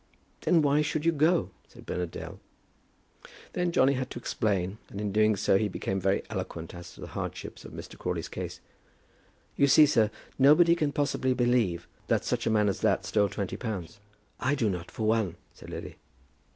"Then why should you go?" asked Bernard Dale. Then Johnny had to explain; and in doing so he became very eloquent as to the hardships of Mr. Crawley's case. "You see, sir, nobody can possibly believe that such a man as that stole twenty pounds." "I do not for one," said Lily.